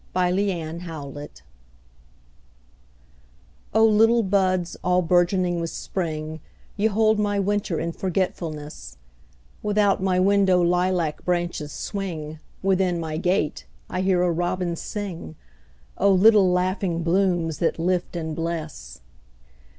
A Song in Spring O LITTLE buds all bourgeoning with Spring, You hold my winter in forgetfulness; Without my window lilac branches swing, Within my gate I hear a robin sing—O little laughing blooms that lift and bless!